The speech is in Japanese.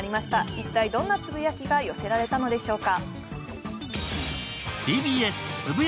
一体どんなつぶやきが寄せられたのでしょうか。